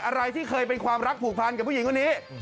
อะไรที่เคยเป็นความรักผูกพันกับผู้หญิงคนนี้